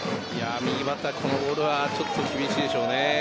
右バッターのボールはちょっと厳しいでしょうね。